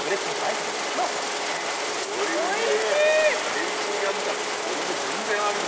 めんつゆに飽きたらこれも全然ありだね。